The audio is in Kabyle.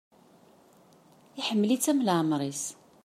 Iḥemmel-itt am leɛmer-is.